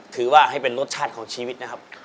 ถือว่าให้เป็นรสชาติของชีวิตนะครับ